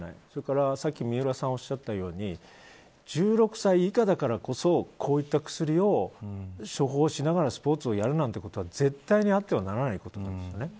それから、さっき三浦さんがおっしゃったように１６歳以下だからこそこういった薬を処方しながらスポーツをやるなんてことは絶対にあってはならないことなんです。